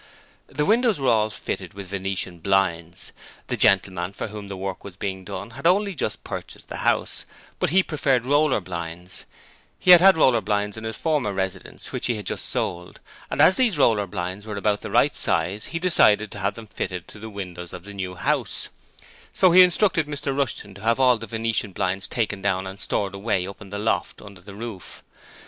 The windows were all fitted with venetian blinds. The gentleman for whom all the work was being done had only just purchased the house, but he preferred roller blinds: he had had roller blinds in his former residence which he had just sold and as these roller blinds were about the right size, he decided to have them fitted to the windows of his new house: so he instructed Mr Rushton to have all the venetian blinds taken down and stored away up in the loft under the roof.